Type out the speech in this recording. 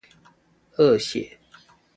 惡血